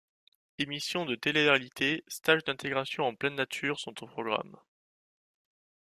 Émission de téléréalité, stage d'intégration en pleine nature sont au programme...